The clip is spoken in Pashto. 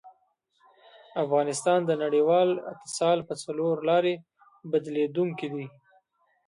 افغانستان د نړیوال اتصال په څلورلاري بدلېدونکی دی.